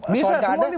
bisa semua nih